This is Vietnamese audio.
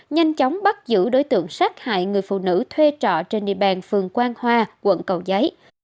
nhanh chóng bắt giữ đối tượng sát hại người phụ nữ thuê trọ trên địa bàn phường quang hoa quận cầu giấy